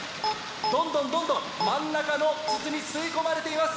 どんどんどんどん真ん中の筒に吸い込まれています！